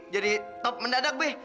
jadi top mendadak be